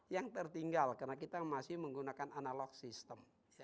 yang tertinggal karena kita masih menggunakan analog system